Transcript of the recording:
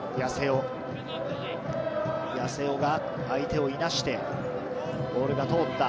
八瀬尾、相手をいなして、ボールが通った。